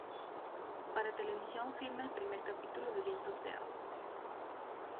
Para televisión filma el primer capítulo de "Vientos de agua".